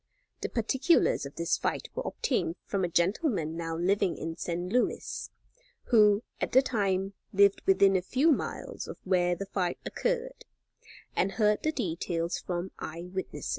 The particulars of this fight were obtained from a gentleman now living in St. Louis, who, at the time, lived within a few miles of where the fight occurred, and heard the details from eye witnesses.